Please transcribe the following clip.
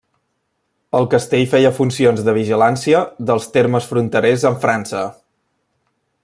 El castell feia funcions de vigilància dels termes fronterers amb França.